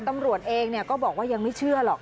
ตำรวจเองก็บอกว่ายังไม่เชื่อหรอก